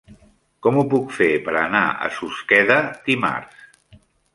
Com ho puc fer per anar a Susqueda dimarts?